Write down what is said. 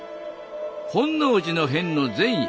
本能寺の変の前夜